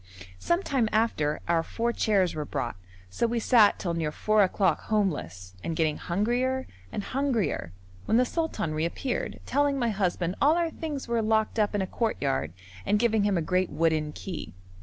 Some time after, our four chairs were brought, so we sat till near four o'clock homeless, and getting hungrier and hungrier, when the sultan reappeared, telling my husband all our things were locked up in a courtyard and giving him a great wooden key.